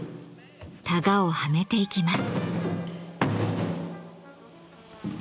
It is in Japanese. たがをはめていきます。